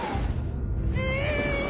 うん！